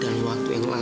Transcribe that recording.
dalam waktu yang lama